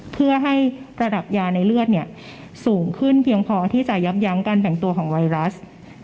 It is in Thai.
เพื่อให้ระดับยาในเลือดสูงขึ้นเพียงพอที่จะยับยั้งการแบ่งตัวของไวรัส